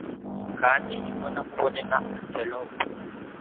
kandi imbonankubone na antelope